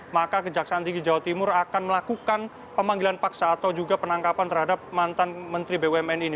maka kejaksaan tinggi jawa timur akan melakukan pemanggilan paksa atau juga penangkapan terhadap mantan menteri bumn ini